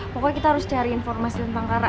pokoknya kita harus cari informasi tentang kakak